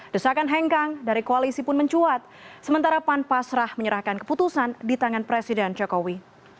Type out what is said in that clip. desakan hengkang dari koalisi pun mencuat sementara pan pasrah menyerahkan keputusan di tangan presiden jokowi